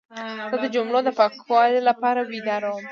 زه د جملو د پاکوالي لپاره بیدار وم.